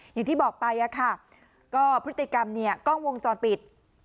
อย่างที่บอกไปอะค่ะก็พฤติกรรมเนี่ยกล้องวงจรปิด